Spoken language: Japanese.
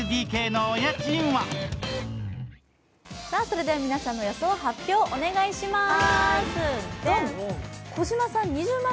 それでは皆さんの予想の発表をお願いします。